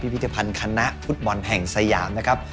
พิธภัณฑ์คณะฟุตบอลแห่งสยามนะครับ